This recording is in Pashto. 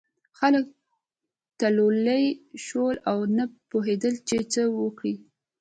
خلک تلولي شول او نه پوهېدل چې څه وکړي.